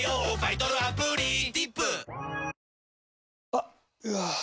あっ、うわー。